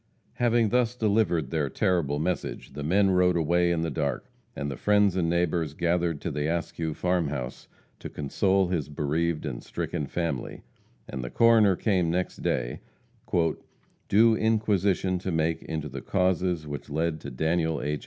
Having thus delivered their terrible message, the men rode away in the dark. And the friends and neighbors gathered to the Askew farm house to console his bereaved and stricken family, and the coroner came next day, "due inquisition to make into the causes which led to Daniel H.